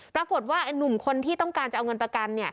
ปรากฏว่าหนุ่มคนที่ต้องการจะเอาเงินประกัน